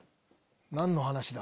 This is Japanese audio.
何の話だ？